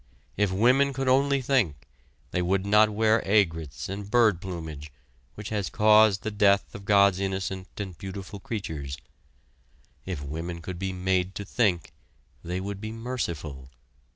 If women would only think, they would not wear aigrets and bird plumage which has caused the death of God's innocent and beautiful creatures. If women could be made to think, they would be merciful.